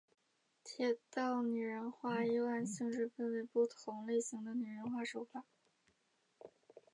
铁道拟人化又按性质分为不同类型的拟人化手法。